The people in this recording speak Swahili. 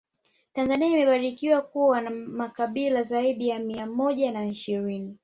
tanzania imebarikiwa kuwa na makabila zaidi ya mia moja na ishirini